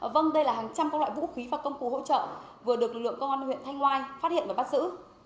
vâng đây là hàng trăm các loại vũ khí và công cụ hỗ trợ vừa được lực lượng công an huyện thanh ngoai phát hiện và bắt giữ